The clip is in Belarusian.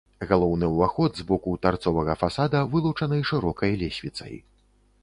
Галоўны ўваход з боку тарцовага фасада вылучаны шырокай лесвіцай.